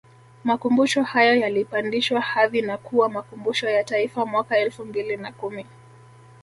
makumbusho hayo yalipandishwa hadhi na kuwa Makumbusho ya Taifa mwaka elfu mbili na kumi